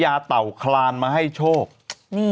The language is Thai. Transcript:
ดื่มน้ำก่อนสักนิดใช่ไหมคะคุณพี่